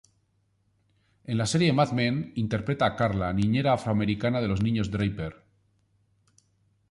En la serie "Mad Men" interpreta a Carla, niñera afroamericana de los niños Draper.